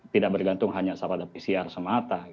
tidak bergantung hanya pada pcr semata